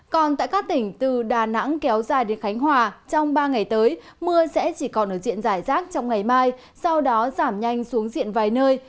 còn tại các tỉnh từ đà nẵng kéo dài đến khánh hòa trong ba ngày tới mưa sẽ chỉ còn ở diện giải rác trong ngày mai sau đó giảm nhanh xuống diện vài nơi